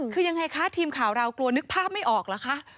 คือยังไงคะทีมข่าวเรากลัวนึกภาพไม่ออกเหรอคะ